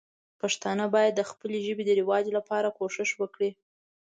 پښتانه باید د خپلې ژبې د رواج لپاره کوښښ وکړي.